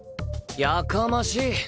やかましい！